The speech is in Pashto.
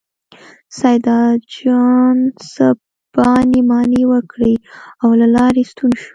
سیدجان څه بانې مانې وکړې او له لارې ستون شو.